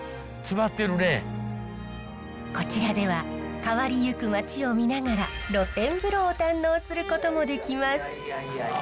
こちらでは変わりゆく町を見ながら露天風呂を堪能することもできます。